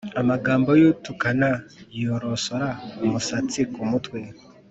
Amagambo y’utukana yorosora umusatsi ku mutwe,